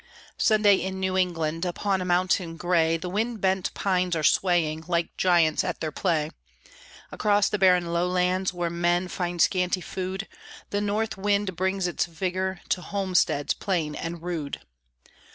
Sunday in New England: Upon a mountain gray The wind bent pines are swaying Like giants at their play; Across the barren lowlands, Where men find scanty food, The north wind brings its vigor To homesteads plain and rude.